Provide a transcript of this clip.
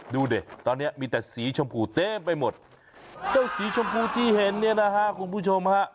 ดูดิตอนนี้มีแต่สีชมพูเต็มไปหมดเจ้าสีชมพูที่เห็นเนี่ยนะฮะคุณผู้ชมฮะ